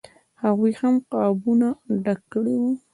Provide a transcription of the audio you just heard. هغوی هم قابونه ډک کړي وو.